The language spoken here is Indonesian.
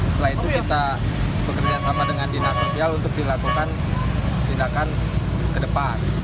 setelah itu kita bekerjasama dengan dinasosial untuk dilakukan tindakan ke depan